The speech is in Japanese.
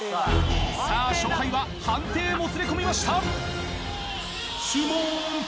さぁ勝敗は判定へもつれ込みました。